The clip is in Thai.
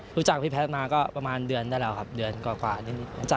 รู้จักพี่แพทย์มาก็ประมาณเดือนได้แล้วครับเดือนกว่า